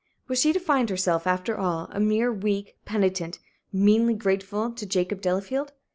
Was she to find herself, after all, a mere weak penitent meanly grateful to Jacob Delafield?